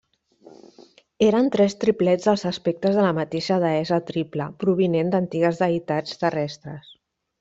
Eren tres triplets dels aspectes de la mateixa deessa triple, provinent d'antigues deïtats terrestres.